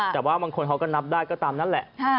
แต่ว่าบางคนเขาก็นับได้ก็ตามนั้นแหละ